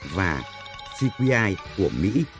và cqi của mỹ